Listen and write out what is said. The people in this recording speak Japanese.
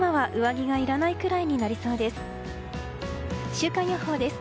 週間予報です。